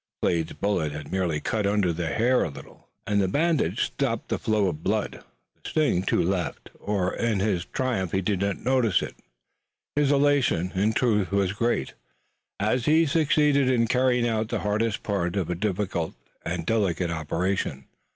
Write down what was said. Slade's bullet had merely cut under the hair a little, and the bandage stopped the flow of blood. The sting, too, left, or in his triumph he did not notice it. His elation, in truth, was great, as he had succeeded in carrying out the hardest part of a difficult and delicate operation.